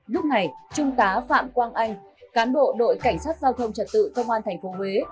lúc này trung tá phạm quang anh cán bộ đội cảnh sát giao thông trật tự công an tp huế